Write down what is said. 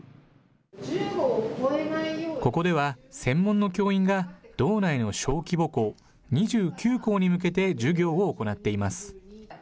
ここでは専門の教員が、道内の小規模校、２９校に向けて授業を行っています。